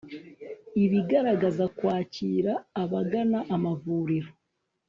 ibigaragaza kwakira abagana amavuriro